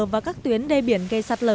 và các tuyến đê biển gây sạt lở